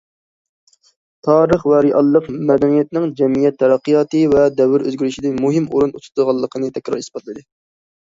تارىخ ۋە رېئاللىق مەدەنىيەتنىڭ جەمئىيەت تەرەققىياتى ۋە دەۋر ئۆزگىرىشىدە مۇھىم ئورۇن تۇتىدىغانلىقىنى تەكرار ئىسپاتلىدى.